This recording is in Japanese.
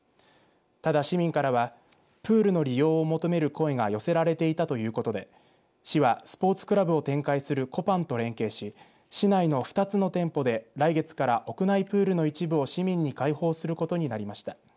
ただ、市民からはプールの利用を求める声が寄せられていたということで市はスポーツクラブを展開するコパンと連携し市内の２つの店舗で来月から屋内プールの一部を市民に開放することになりました。